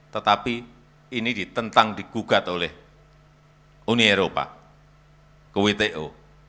tetapi ini ditentang digugat oleh uni eropa ke wto